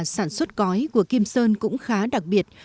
sản xuất cói của kim sơn cũng khá đặc biệt